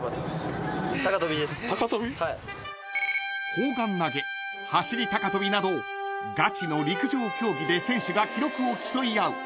［砲丸投げ走り高跳びなどガチの陸上競技で選手が記録を競い合う］